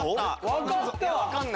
分かった！